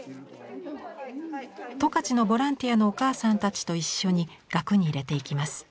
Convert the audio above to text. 十勝のボランティアのお母さんたちと一緒に額に入れていきます。